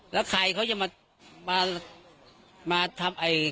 แล้วใครเขาจะมาทำไอ้